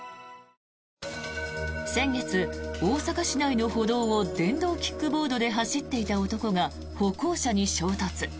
先月、大阪市内の歩道を電動キックボードで走っていた男が歩行者に衝突。